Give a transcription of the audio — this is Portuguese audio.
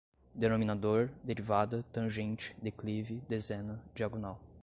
denominador, derivada, tangente, declive, dezena, diagonal